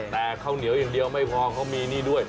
แต่ข้าวเหนียวอย่างเดียวไม่พอเขามีนี่ด้วย